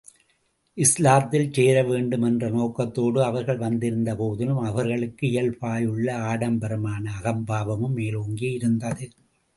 இஸ்லாத்தில் சேர வேண்டும் என்ற நோக்கத்தோடு அவர்கள் வந்திருந்த போதிலும், அவர்களுக்கு இயல்பாயுள்ள ஆடம்பரமான அகம்பாவம் மேலோங்கி இருந்தது.